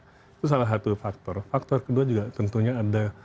itu salah satu faktor faktor kedua juga tentunya ada